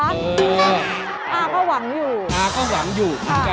อาร์ก็หวังอยู่ค่ะอาร์ก็หวังอยู่ค่ะ